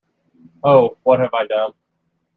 Oh, what have I done?